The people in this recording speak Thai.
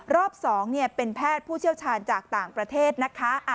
รอบ๒เป็นแพทย์ผู้เชี่ยวชาญจากต่างประเทศนะคะ